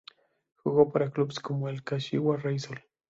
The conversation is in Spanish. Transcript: Jugó para clubes como el Kashiwa Reysol.